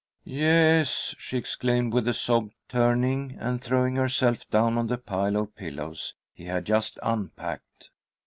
"Yes!" she exclaimed, with a sob, turning and throwing herself down on the pile of pillows he had just unpacked.